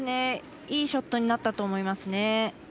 いいショットになったと思いますね。